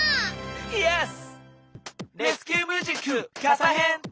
イエス！